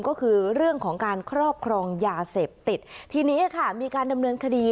ก็คือเรื่องของการครอบครองยาเสพติดทีนี้ค่ะมีการดำเนินคดี